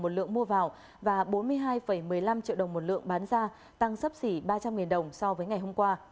một lượng mua vào và bốn mươi hai một mươi năm triệu đồng một lượng bán ra tăng sấp xỉ ba trăm linh đồng so với ngày hôm qua